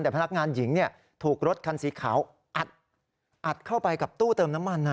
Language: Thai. แต่พนักงานหญิงถูกรถคันสีขาวอัดเข้าไปกับตู้เติมน้ำมัน